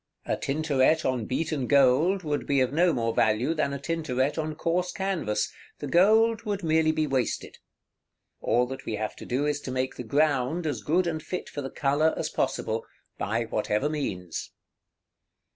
A Tintoret on beaten gold would be of no more value than a Tintoret on coarse canvas; the gold would merely be wasted. All that we have to do is to make the ground as good and fit for the color as possible, by whatever means.